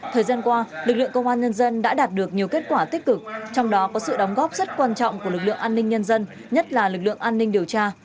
thời gian qua lực lượng công an nhân dân đã đạt được nhiều kết quả tích cực trong đó có sự đóng góp rất quan trọng của lực lượng an ninh nhân dân nhất là lực lượng an ninh điều tra